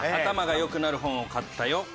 「頭が良くなる本を買ったよ」